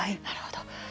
なるほど。